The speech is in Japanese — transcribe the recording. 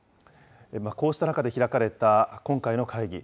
こうした中で開かれた今回の会議。